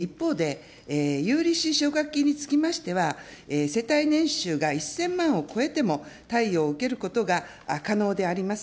一方で、有利子奨学金につきましては、世帯年収が１０００万を超えても貸与を受けることが可能であります。